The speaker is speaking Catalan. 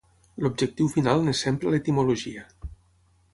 L'objectiu final n'és sempre l'etimologia.